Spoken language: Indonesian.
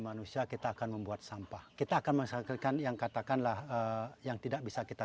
manusia kita akan membuat sampah kita akan menghasilkan yang katakanlah yang tidak bisa kita